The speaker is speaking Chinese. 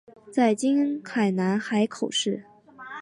在今海南省海口市。